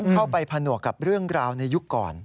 ไปผนวกกับเรื่องราวในยุคก่อน